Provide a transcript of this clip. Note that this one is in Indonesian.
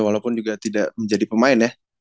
walaupun juga tidak menjadi pemain ya